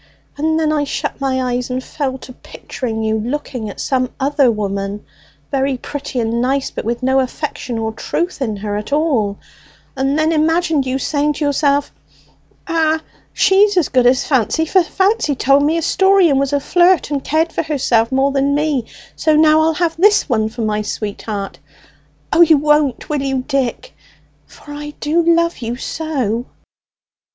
And then I shut my eyes and fell to picturing you looking at some other woman, very pretty and nice, but with no affection or truth in her at all, and then imagined you saying to yourself, 'Ah, she's as good as Fancy, for Fancy told me a story, and was a flirt, and cared for herself more than me, so now I'll have this one for my sweetheart.' O, you won't, will you, Dick, for I do love you so!"